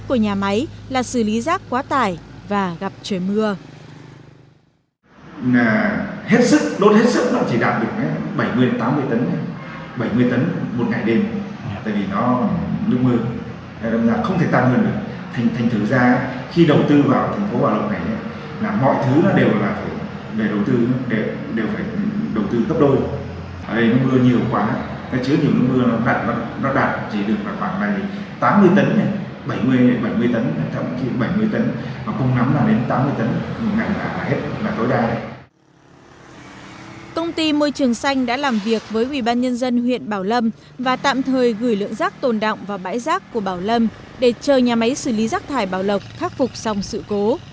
công ty môi trường xanh đã làm việc với ubnd huyện bảo lâm và tạm thời gửi lượng rác tồn đọng vào bãi rác của bảo lâm để chờ nhà máy xử lý rác thải bảo lộc khắc phục xong sự cố